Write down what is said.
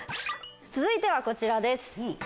続いてはこちらです。